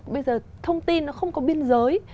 bây giờ thông tin nó không có biên giới